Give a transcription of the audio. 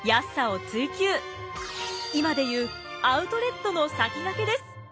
今で言うアウトレットの先駆けです。